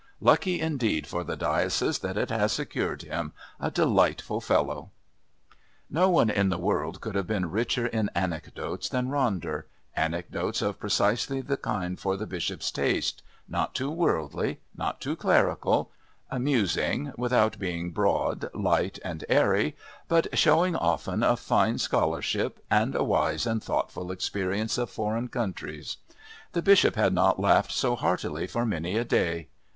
Lucky indeed for the diocese that it has secured him...a delightful fellow." No one in the world could have been richer in anecdotes than Ronder, anecdotes of precisely the kind for the Bishop's taste, not too worldly, not too clerical, amusing without being broad, light and airy, but showing often a fine scholarship and a wise and thoughtful experience of foreign countries. The Bishop had not laughed so heartily for many a day.